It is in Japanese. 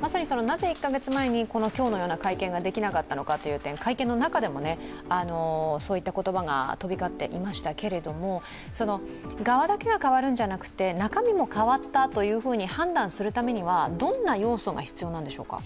まさになぜ１か月前に今日のような会見ができなかったのかという、会見の中でもそういった言葉が飛び交っていましたけれども皮だけが変わるんじゃなくて中身も変わったと判断されるためには、どんな要素が必要なんでしょうか？